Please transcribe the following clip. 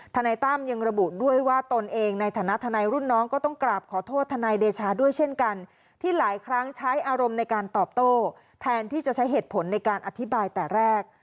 นายตั้มยังระบุด้วยว่าตนเองในฐานะทนายรุ่นน้องก็ต้องกราบขอโทษทนายเดชาด้วยเช่นกันที่หลายครั้งใช้อารมณ์ในการตอบโต้แทนที่จะใช้เหตุผลในการอธิบายแต่แรก